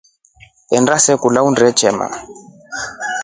Enda se kulya unetrema.